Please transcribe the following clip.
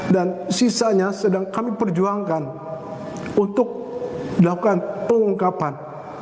dan sisanya sedang kami perjuangkan untuk melakukan pengungkapan